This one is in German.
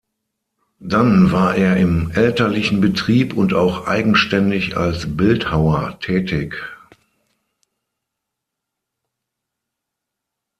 Dann war er im elterlichen Betrieb und auch eigenständig als Bildhauer tätig.